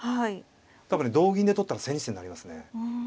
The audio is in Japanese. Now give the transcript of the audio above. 多分ね同銀で取ったら千日手になりますね。